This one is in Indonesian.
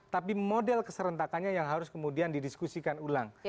tapi model keserentakannya yang harus diperhatikan